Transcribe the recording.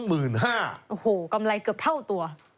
โอ้โหกำไรเกือบเท่าตัว